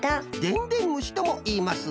でんでんむしともいいます。